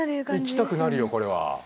行きたくなるよこれは。